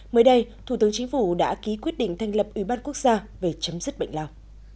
mới đây thủ tướng chính phủ đã ký quyết định thành lập ủy ban quốc gia về chấm dứt bệnh lao